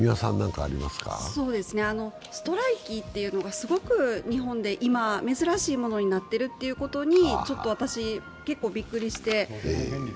ストライキというのがすごく日本で今、珍しいものになっているということにちょっと私、結構びっくりして。